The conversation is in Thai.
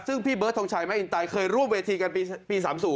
ซึ่งพี่เบิร์ดทงชัยแม่อินไตเคยร่วมเวทีกันปี๓๐